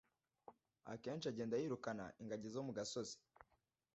Akenshi agenda yirukana ingagi zo mu gasozi.